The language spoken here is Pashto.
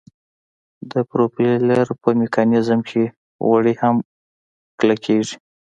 د پروپیلر په میکانیزم کې غوړي هم کلکیږي